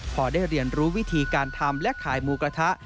พอได้เรียนรู้วิธีการทำและขายหมูกระทะ